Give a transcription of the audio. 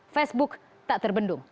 facebook tak terbendung